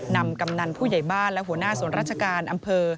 กำนันผู้ใหญ่บ้านและหัวหน้าส่วนราชการอำเภอ